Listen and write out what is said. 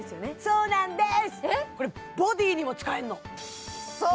そうなんです